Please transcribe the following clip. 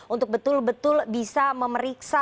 untuk betul betul bisa memeriksa